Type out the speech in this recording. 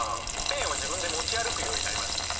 ペンを自分で持ち歩くようになりましたね。